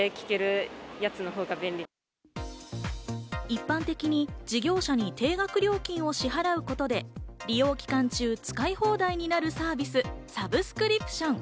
一般的に事業者に定額料金を支払うことで利用期間中、使い放題になるサービス、サブスクリプション。